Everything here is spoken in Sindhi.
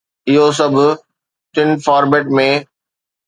اهو سڀ ٽن فارميٽ ۾